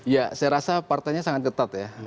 ya saya rasa partainya sangat ketat ya